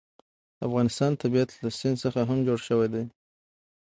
د افغانستان طبیعت له کابل سیند څخه هم جوړ شوی دی.